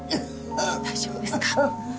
大丈夫ですか。